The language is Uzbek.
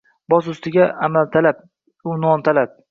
Boz ustiga amaltalab, unvontalab